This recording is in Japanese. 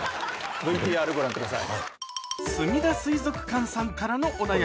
ＶＴＲご覧ください。